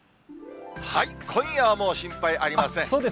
今夜はもう心配ありません。